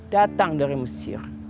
datang dari mesir